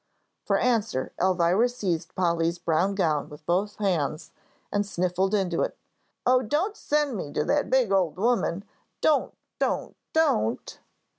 For answer Elvira seized Polly's brown gown with both hands and sniffled into it, "Oh, don't send me to that big old woman. Don't, don't, don't!"